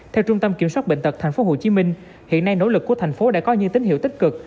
theo trung tâm kiểm soát bệnh tật thành phố hồ chí minh hiện nay nỗ lực của thành phố đã có như tín hiệu tích cực